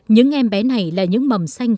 những em bé này là những mầm xanh